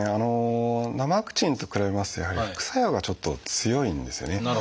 生ワクチンと比べますとやはり副作用がちょっと強いんですよね。